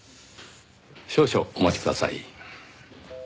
少々お待ちください。